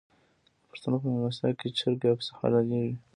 د پښتنو په میلمستیا کې چرګ یا پسه حلاليږي.